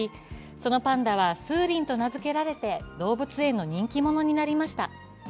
そのパンダはスーリンと名づけられて、動物園の人気者になりました